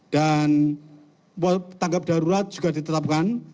dan tanggap darurat juga ditetapkan